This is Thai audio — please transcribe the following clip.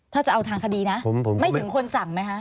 ถ้าจะเอาทางคดีนะไม่ถึงคนสั่งไหมคะ